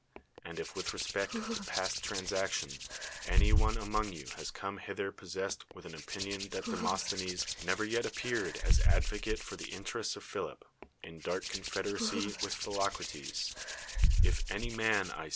And if with respect to past transactions any one among you has come hither possessed with an opinion that Demosthenes never yet appeared as advocate for the interests of Philip, in dark con federacy with Philoci'ates: if any man, I